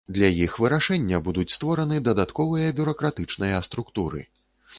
Для іх вырашэння будуць створаны дадатковыя бюракратычныя структуры.